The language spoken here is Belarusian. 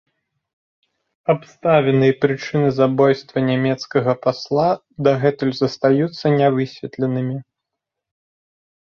Абставіны і прычыны забойства нямецкага пасла дагэтуль застаюцца не высветленымі.